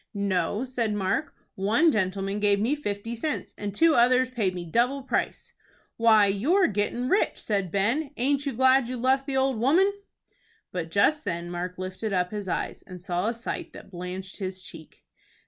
"No," said Mark; "one gentleman gave me fifty cents, and two others paid me double price." "Why, you're gettin' rich!" said Ben. "Aint you glad you've left the old woman?" But just then Mark lifted up his eyes, and saw a sight that blanched his cheek.